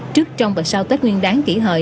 trước trong và sau tết nguyên đáng kỷ hợi